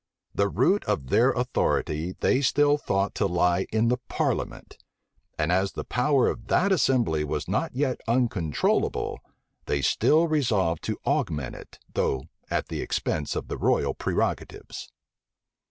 The root of their authority they still thought to lie in the parliament; and as the power of that assembly was not yet uncontrollable, they still resolved to augment it, though at the expense of the royal prerogatives.